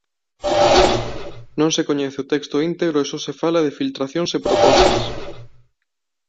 Non se coñece o texto íntegro e só se fala de filtracións e propostas.